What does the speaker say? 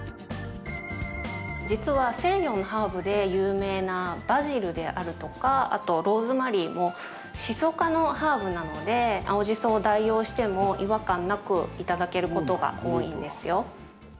実は西洋のハーブで有名なバジルであるとかあとローズマリーもシソ科のハーブなので青じそを代用しても違和感なくいただけることが多いんですよ。